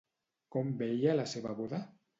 Com veia la seva boda?